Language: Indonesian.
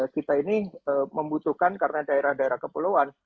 kita ini membutuhkan karena daerah daerah kepulauan